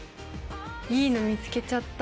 いいの見つけちゃった。